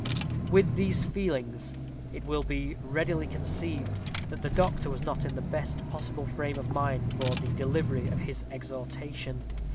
With these feelings, it will be readily conceived that the doctor was not in the best possible frame of mind for the delivery of his exhortation.